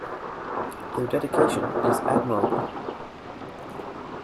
Their dedication is admirable.